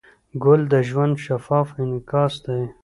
ګل د ژوند شفاف انعکاس دی.